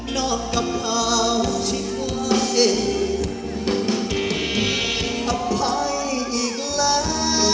นอกกับเผาชิ้นหัวเอ็ดอภัยอีกแล้ว